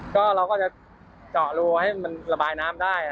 ก็เราก็จะเจาะรูให้มันระบายน้ำได้